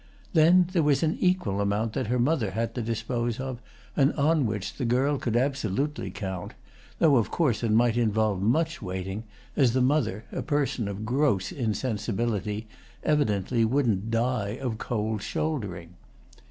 Then there was an equal amount that her mother had to dispose of and on which the girl could absolutely count, though of course it might involve much waiting, as the mother, a person of gross insensibility, evidently wouldn't die of cold shouldering.